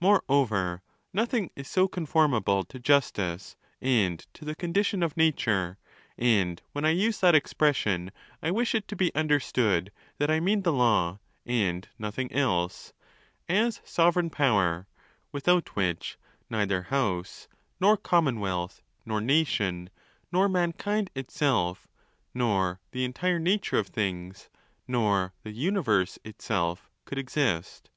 Moreover, nothing is so conformable to justice and to the condition of nature (and when I use that expression, I wish it to be understood that I mean the law, and nothing else,) as sovereign power; without which, neither house, nor com monwealth, nor nation, nor mankind itself, nor the entire nature of things, nor the universe itself, could exist.